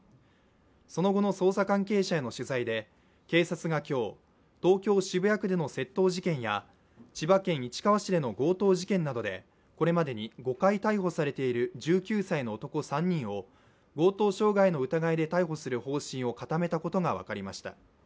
その後の捜査関係者への取材で警察が今日、東京・渋谷区での窃盗事件や千葉県市川市での強盗事件などでこれまでに５回逮捕されている１９歳の男３人を強盗傷害の疑いで逮捕する方針を固めたことが分かりました。